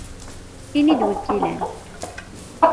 Ini-d wi k-ilan!